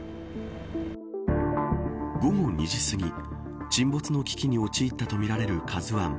午後２時すぎ沈没の危機に陥ったとみられるＫＡＺＵ１。